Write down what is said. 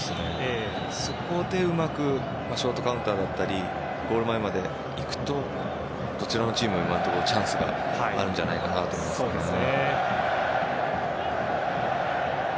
そこでうまくショートカウンターだったりゴール前まで行くとどちらのチームも今のところチャンスがあるんじゃないかなと思います。